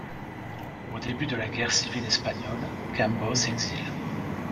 Au début de la Guerre civile espagnole, Cambó s'exile.